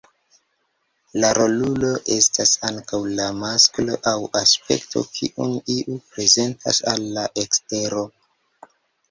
La rolulo estas ankaŭ la masko aŭ aspekto kiun iu prezentas al la ekstero.